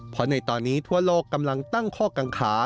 เพราะในตอนนี้ทั่วโลกกำลังตั้งข้อกังขา